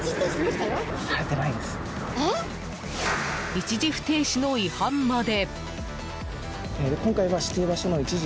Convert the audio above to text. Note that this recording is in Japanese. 一時不停止の違反まで。